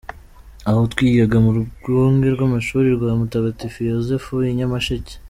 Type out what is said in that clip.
Aho twigaga mu Rwunge rw’Amashuri rwa Mutagatifu Yozefu i Nyamasheke.